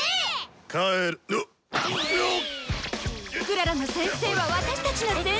クララの先生は私たちの先生。